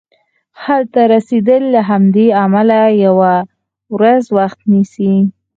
هلته رسیدل له همدې امله یوه ورځ وخت نیسي.